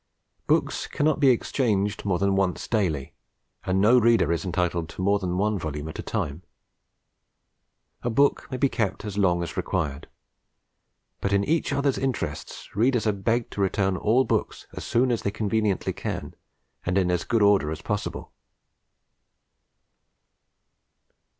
_ Books cannot be exchanged more than once daily, and no Reader is entitled to more than one volume at a time. _A book may be kept as long as required: but in each other's interests Readers are begged to return all books as soon as they conveniently can, and in as good order as possible.